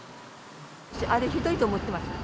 あれ、ひどいと思ってます。